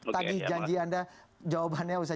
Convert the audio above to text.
tadi janji anda jawabannya usah